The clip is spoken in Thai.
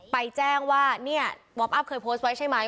แจ้งว่าเนี่ยมอบอัพเคยโพสต์ไว้ใช่ไหม